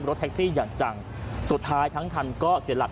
รถแท็กซี่อย่างจังสุดท้ายทั้งคันก็เสียหลัก